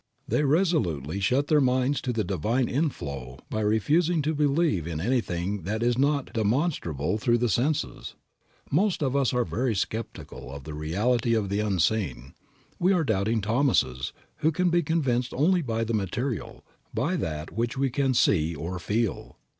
They resolutely shut their minds to the divine inflow by refusing to believe in anything that is not demonstrable through the senses. Most of us are very skeptical of the reality of the unseen. We are doubting Thomases, who can be convinced only by the material, by that which we can see or feel.